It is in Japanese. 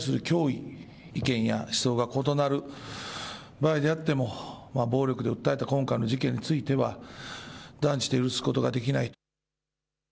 意見や思想が異なる場合であっても暴力で訴えた今回の事件については断じて許すことができない。